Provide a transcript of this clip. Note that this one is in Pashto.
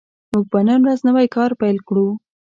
موږ به نن ورځ نوی کار پیل کړو